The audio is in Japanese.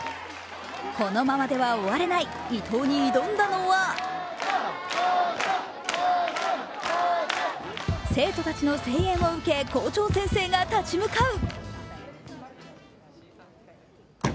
このままでは終われない、伊藤に挑んだのは生徒たちの声援を受け、校長先生が立ち向かう。